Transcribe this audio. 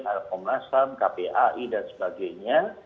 alkomnasam kpai dan sebagainya